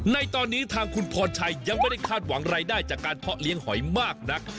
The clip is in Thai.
ในตอนนี้ทางคุณพรชัยยังไม่ได้คาดหวังรายได้จากการเพาะเลี้ยงหอยมากนัก